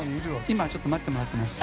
今ちょっと待ってもらってます。